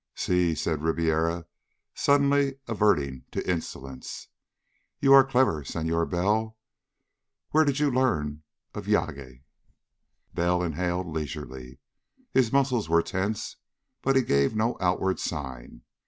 "Si," said Ribiera, suddenly adverting to insolence. "You are clever, Senhor Bell. Where did you learn of yagué?" Bell inhaled leisurely. His muscles were tense, but he gave no outward sign.